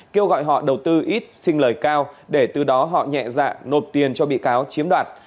kêu gọi họ đầu tư ít xin lời cao để từ đó họ nhẹ dạ nộp tiền cho bị cáo chiếm đoạt